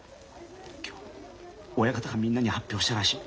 今日親方がみんなに発表したらしい。